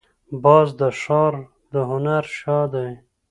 باز د ښکار د هنر شاه دی